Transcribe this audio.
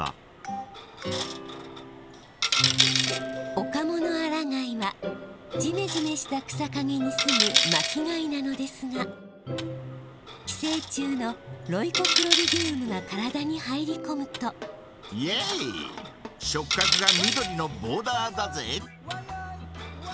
オカモノアラガイはじめじめした草かげに住む巻き貝なのですが寄生虫のロイコクロリディウムが体に入りこむとイエイしょっ角が緑のボーダーだぜ！